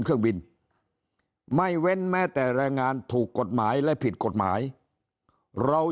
เครื่องบินไม่เว้นแม้แต่แรงงานถูกกฎหมายและผิดกฎหมายเรา